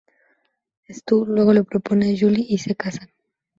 Stu luego le propone a Julie y se casan.